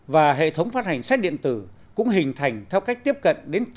và hệ thống phát hành sách điện tử cũng hình thành theo cách tiếp cận điện tử